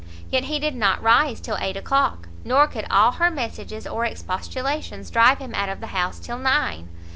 Yet he did not rise till eight o'clock, nor could all her messages or expostulations drive him out of the house till nine.